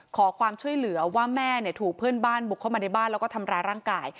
ขอความช่วยเหลือว่าแม่ถูกเพื่อนบ้านบุกเข้ามาในบ้านแล้วก็ทำร้ายร่างกาย